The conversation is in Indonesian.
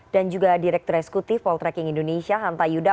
dan juga direktur esekutif world tracking indonesia hanta yuda